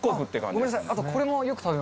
ごめんなさいあと。